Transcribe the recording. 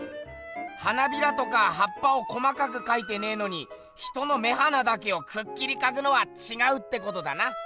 花びらとかはっぱを細かくかいてねえのに人の目鼻だけをくっきりかくのはちがうってことだな。